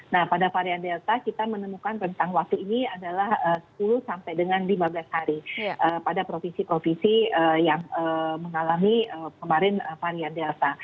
nah pada varian delta kita menemukan rentang waktu ini adalah sepuluh sampai dengan lima belas hari pada provinsi provinsi yang mengalami kemarin varian delta